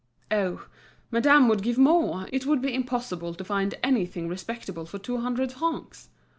Oh! madame would give more, it would be impossible to find anything respectable for two hundred francs.